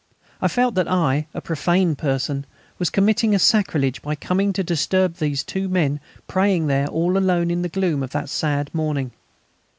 I felt that I, a profane person, was committing a sacrilege by coming to disturb those two men praying there all alone in the gloom of that sad morning.